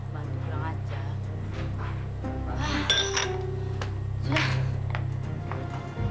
bantu kurang ajar